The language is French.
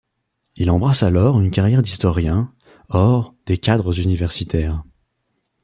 Il embrasse alors une carrière d'historien, hors des cadres universitaires.